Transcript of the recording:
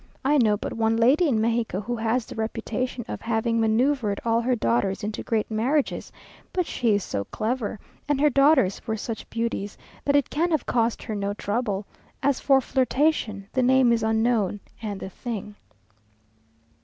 I know but one lady in Mexico who has the reputation of having manoeuvred all her daughters into great marriages; but she is so clever, and her daughters were such beauties, that it can have cost her no trouble; as for flirtation, the name is unknown, and the thing.